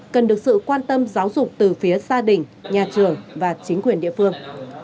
cần được sự quan tâm giáo dục từ phía gia đình nhà trường và chính quyền địa phương